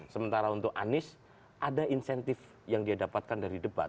sementara untuk anies ada insentif yang dia dapatkan dari debat